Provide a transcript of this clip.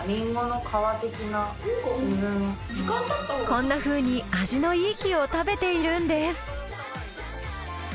こんなふうに味のいい木を食べているんです。